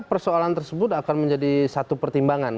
persoalan tersebut akan menjadi satu pertimbangan